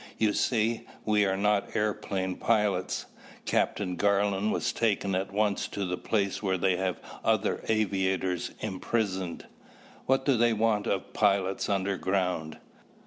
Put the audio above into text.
You see, we are not airplane pilots. Captain Garland was taken at once to the place where they have other aviators imprisoned." "What do they want of pilots underground?"